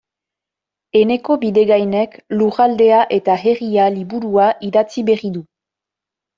Eneko Bidegainek Lurraldea eta Herria liburua idatzi berri du.